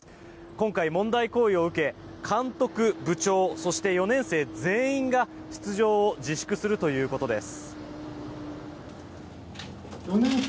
今回、問題行為を受け監督、部長、そして４年生全員が出場を自粛するということです。